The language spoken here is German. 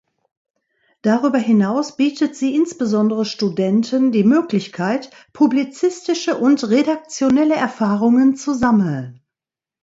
Darüber hinaus bietet sie insbesondere Studenten die Möglichkeit, publizistische und redaktionelle Erfahrungen zu sammeln.